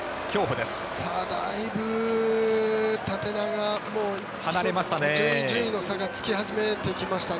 だいぶ縦長順位の差がつき始めてきましたね。